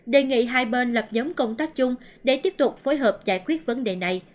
đề nghị hai bên lập giống công tác chung để tiếp tục phối hợp giải quyết vấn đề này